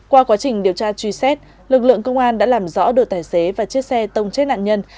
qua quá trình điều tra truy xét lực lượng công an đã làm rõ được tài xế và chiếc xe tông chết nạn nhân